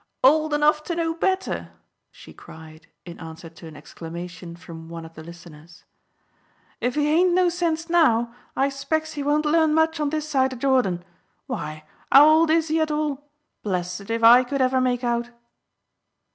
"Old enough to know better!" she cried, in answer to an exclamation from one of the listeners. "If he hain't no sense now, I 'specs he won't learn much on this side o' Jordan. Why, 'ow old is he at all? Blessed if I could ever make out."